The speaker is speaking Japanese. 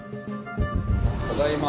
ただいま。